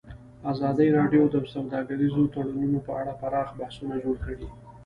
ازادي راډیو د سوداګریز تړونونه په اړه پراخ بحثونه جوړ کړي.